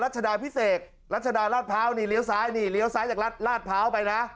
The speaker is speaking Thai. รัฐชดายพิเศษรัฐชดายราชเภานี่เลี้ยวซ้ายนี่เลี้ยวซ้ายจากราชเภาไปนะ